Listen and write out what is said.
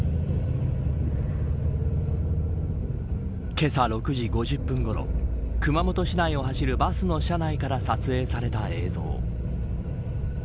けさ６時５０分ごろ熊本市内を走るバスの車内から撮影された映像。